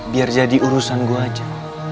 biar jadi urusan gue aja